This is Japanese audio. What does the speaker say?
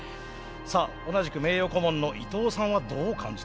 さあ同じく名誉顧問の伊藤さんはどう感じているのでしょうか？